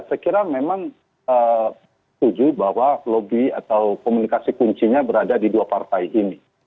saya kira memang setuju bahwa lobby atau komunikasi kuncinya berada di dua partai ini